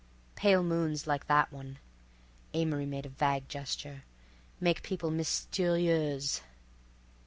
"Pale moons like that one"—Amory made a vague gesture—"make people mysterieuse.